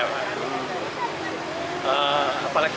apalagi anak anak yang berbagi